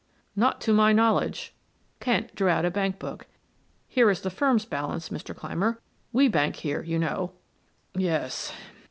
"Not to my knowledge." Kent drew out a bank book. "Here is the firm's balance, Mr. Clymer; we bank here, you know." "Yes."